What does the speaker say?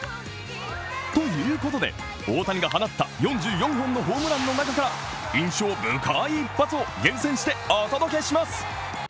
ということで、大谷が放った４４本のホームランの中から印象深い一発を厳選してお届けします。